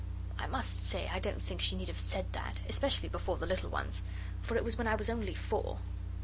I must say I don't think she need have said that, especially before the little ones for it was when I was only four.